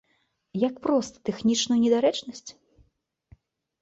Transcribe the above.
Як проста тэхнічную недарэчнасць?